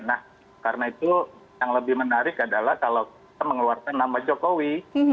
nah karena itu yang lebih menarik adalah kalau kita mengeluarkan nama jokowi